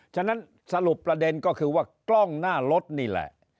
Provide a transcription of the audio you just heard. ฉะนั้นสรุปประเด็นก็คือว่ากล้องหน้ารถนี่แหละ